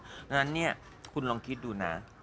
ดังนั้นเนี่ยคุณลองคิดดูนะ